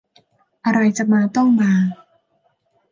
อะไรจะมาต้องมา